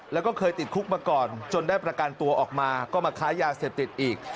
แล้วก็เคยติดคุกมาก่อนจนได้ประกันตัวออกมาก็มาค้ายาเสพติดอีก